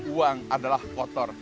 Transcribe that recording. uang adalah kotor